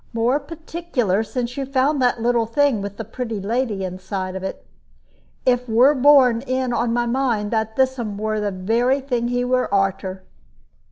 More particular since you found that little thing, with the pretty lady inside of it. It were borne in on my mind that thissom were the very thing he were arter."